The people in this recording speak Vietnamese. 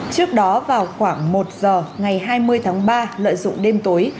trước đó vào khoảng một giờ ngày hai mươi tháng ba lợi dụng đêm tối